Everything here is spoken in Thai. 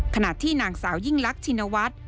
ขณะที่นางสาวยิ่งลักชินวัฒน์